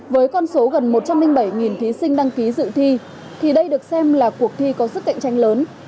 với con số gần một trăm linh bảy thí sinh đăng ký dự thi thì đây được xem là cuộc thi có sức cạnh tranh lớn